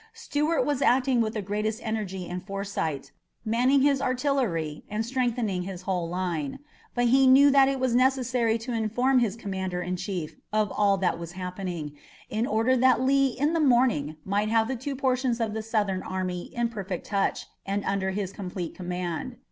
Stuart was acting with the greatest energy and foresight, manning his artillery and strengthening his whole line. But he knew that it was necessary to inform his commander in chief of all that was happening, in order that Lee in the morning might have the two portions of the Southern army in perfect touch and under his complete command.